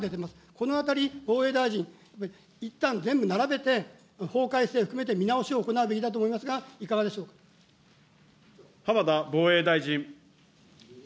このあたり、防衛大臣、いったん全部並べて、法改正含めて見直しを行うべきだと思いますが、いか浜田防衛大臣。